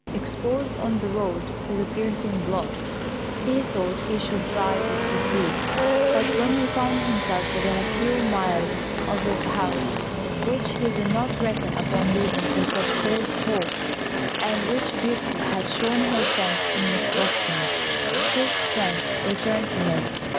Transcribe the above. Exposed on the road to the piercing blasts, he thought he should die with fatigue; but when he found himself within a few miles of his house (which he did not reckon upon leaving for such false hopes, and which Beauty had shown her sense in mistrusting) his strength returned to him.